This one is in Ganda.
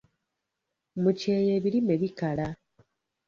Mu kyeeya ebirime bikala.